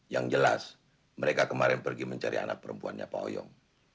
yang jelas mereka kemarin pergi mencari anak perempuannya pak oyong